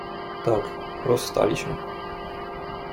"Tak rozstali się."